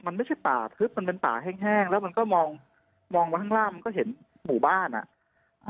มันไม่ใช่ป่าทึบมันเป็นป่าแห้งแล้วมันก็มองมองไปข้างล่างมันก็เห็นหมู่บ้านอ่ะ